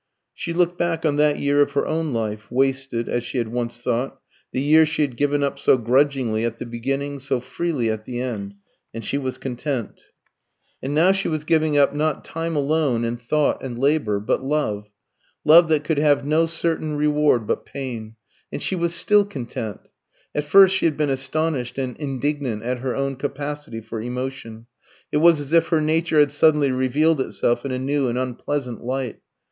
She looked back on that year of her own life, "wasted," as she had once thought the year she had given up so grudgingly at the beginning, so freely at the end and she was content. And now she was giving up, not time alone, and thought, and labour, but love love that could have no certain reward but pain. And she was still content. At first she had been astonished and indignant at her own capacity for emotion; it was as if her nature had suddenly revealed itself in a new and unpleasant light.